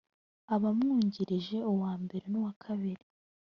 abamwungirije uwambere n uwakabiri